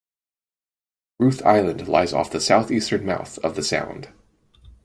Ruth Island lies off the southeastern mouth of the sound.